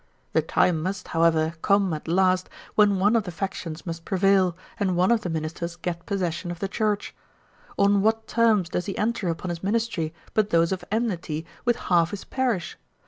The time must, however, come at last, when one of the factions must prevail, and one of the ministers get possession of the church. On what terms does he enter upon his ministry but those of enmity with half his parish?